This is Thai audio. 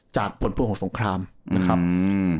จากผลพวงของสงครามนะครับอืม